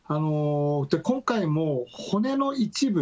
今回も骨の一部、